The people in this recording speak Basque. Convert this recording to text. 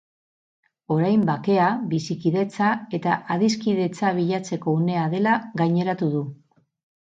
Orain, bakea, bizikidetza eta adiskidetzea bilatzeko unea dela gaineratu du.